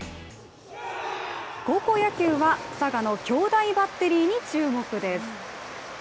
高校野球は佐賀の兄弟バッテリーに注目です。